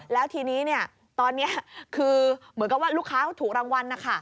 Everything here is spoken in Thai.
แล้วทีนี้ตอนนี้คือเหมือนกับว่าลูกค้าเขาถูกรางวัลนะคะ